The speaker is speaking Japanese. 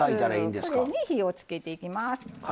これに火をつけていきます。